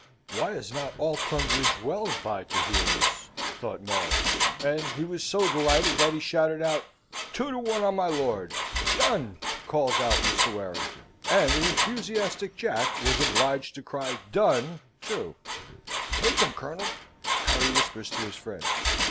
Why is not all Tunbridge Wells by to hear this? thought Morris. And he was so delighted that he shouted out, "Two to one on my lord!" "Done!" calls out Mr. Warrington; and the enthusiastic Jack was obliged to cry "Done!" too. "Take him, Colonel," Harry whispers to his friend.